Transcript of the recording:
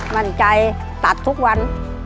มั่นใจตัดทุกวัน